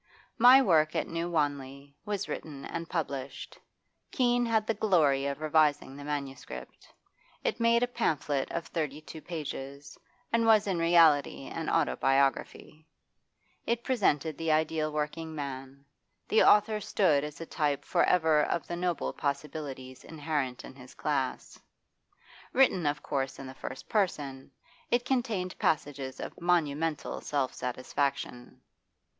'My Work at New Wanley' was written and published; Keene had the glory of revising the manuscript. It made a pamphlet of thirty two pages, and was in reality an autobiography. It presented the ideal working man; the author stood as a type for ever of the noble possibilities inherent in his class. Written of course in the first person, it contained passages of monumental self satisfaction.